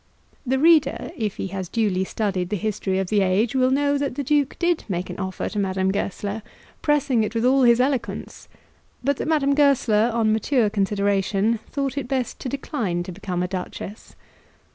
The reader, if he has duly studied the history of the age, will know that the Duke did make an offer to Madame Goesler, pressing it with all his eloquence, but that Madame Goesler, on mature consideration, thought it best to decline to become a duchess.